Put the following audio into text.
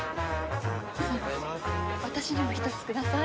私にも１つください。